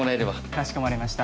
かしこまりました。